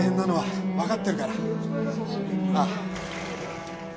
ああ。